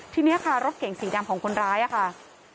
ทีนี้ค่ะรถเก่งสีดำของคนร้ายค่ะ